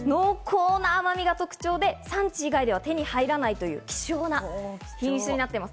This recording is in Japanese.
濃厚な甘みが特徴で、産地以外では手に入らないという希少な品種になっています。